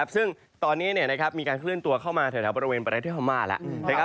ซึ่งตอนนี้มีการเคลื่อนตัวเข้ามาแถวบริเวณประเทศพม่าแล้ว